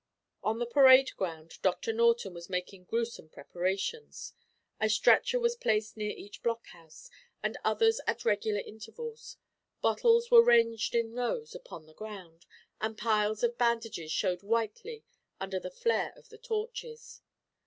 On the parade ground Doctor Norton was making grewsome preparations. A stretcher was placed near each blockhouse, and others at regular intervals. Bottles were ranged in rows upon the ground, and piles of bandages showed whitely under the flare of the torches.